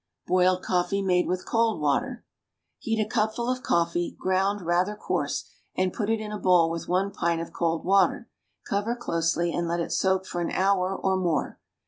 BOILED COFFEE MADE WITH COLD WATER. Heat a cupful of coffee, ground rather coarse, and put it in a bowl with one pint of cold water. Cover closely, and let it soak for an hour or more.